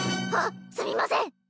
はっすみません！